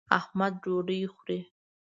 احمد ډوډۍ خوري.